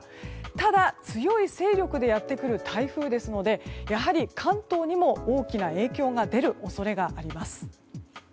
ただ、強い勢力でやって来る台風ですのでやはり関東にも大きな影響が出る恐れがあります。